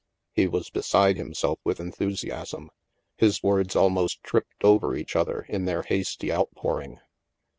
He was beside himself with enthusiasm. His words almost tripped over each other in their hasty outpouring.